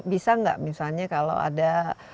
bisa nggak misalnya kalau ada